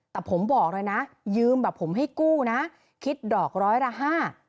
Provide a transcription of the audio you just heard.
แต่ผมบอกเลยนะยืมแบบผมให้กู้นะคิดดอกร้อยละห้า